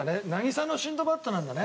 『渚のシンドバッド』なんだね。